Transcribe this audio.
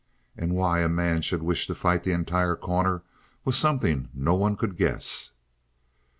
And why a man should wish to fight the entire Corner was something no one could guess.